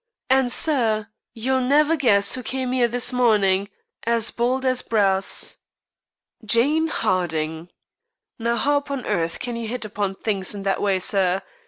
And, sir, you'll never guess who came 'ere this morning, as bold as brass." "Jane Harding." "Now, 'ow upon earth can you 'it upon things that way, sir?